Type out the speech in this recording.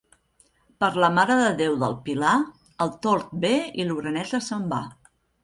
Per la Mare de Déu del Pilar, el tord ve i l'oreneta se'n va.